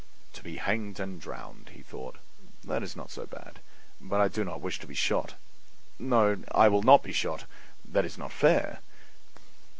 "To be hanged and drowned," he thought, "that is not so bad; but I do not wish to be shot. No; I will not be shot; that is not fair."